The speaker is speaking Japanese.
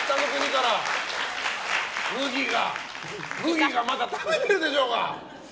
麦がまだ食べてるでしょうが！